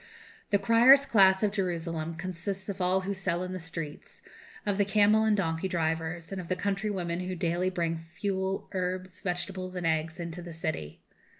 "The criers' class of Jerusalem consists of all who sell in the streets, of the camel and donkey drivers, and of the country women who daily bring fuel, herbs, vegetables, and eggs, into the city.